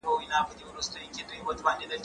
زه اجازه لرم چي انځور وګورم؟!